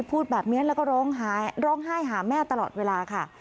พูดแบบนี้แล้วก็ร้องไห้ร้องไห้หาแม่ตลอดเวลาค่ะ